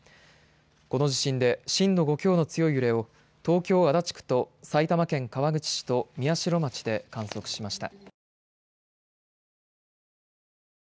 この地震で震度５強の強い揺れを東京、足立区と埼玉県川口市と宮代町で観測しました。